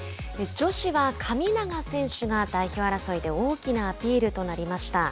女子は神長選手が代表争いで大きなアピールとなりました。